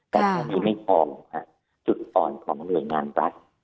แต่มันจะยังมีออมจุดอ่อนของมืองานรัก